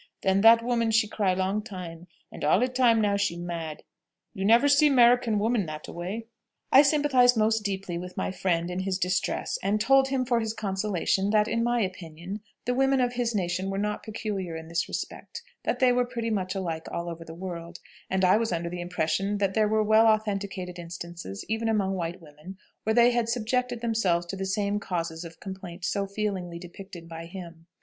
Then that woman she cry long time, and all e'time now she mad. You never seen 'Merican woman that a way?" I sympathized most deeply with my friend in his distress, and told him for his consolation that, in my opinion, the women of his nation were not peculiar in this respect; that they were pretty much alike all over the world, and I was under the impression that there were well authenticated instances even among white women where they had subjected themselves to the same causes of complaint so feelingly depicted by him.